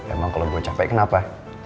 emang kalo gua capek kenapa